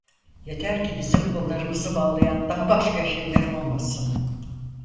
Yeter ki bizim kollarımızı bağlayan daha başka şeyler olmasın.